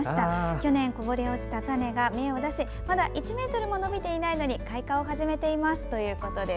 去年こぼれ落ちた種が芽を出しまだ１ｍも伸びていないのに開花を始めています。